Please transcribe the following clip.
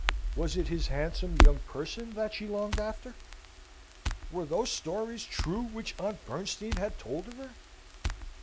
Was it his handsome young person that she longed after? Were those stories true which Aunt Bernstein had told of her?